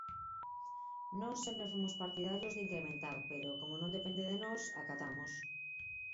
Nós sempre fomos partidarios de incrementar, pero como non depende de nós, acatamos.